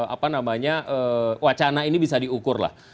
apa namanya wacana ini bisa diukur lah